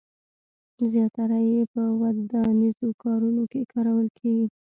زیاتره یې په ودانیزو کارونو کې کارول کېږي.